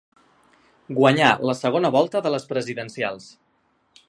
Guanyar la segona volta de les presidencials.